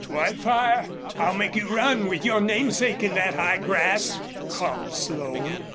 "Wildfire, I'll make you run with your namesake in that high grass," called Slone.